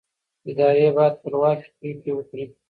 ادارې باید خپلواکه پرېکړې وکړي